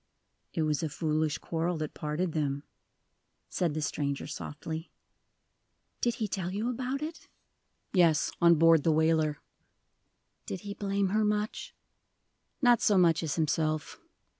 "It was a foolish quarrel that parted them," said the stranger, softly. "Did he tell you about it?" "Yes, on board the whaler." "Did he blame her much?" "Not so much as himself.